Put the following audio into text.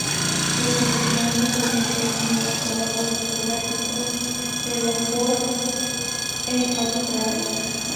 Ese mismo año presentó su nuevo trabajo discográfico "Hello World" en Australia.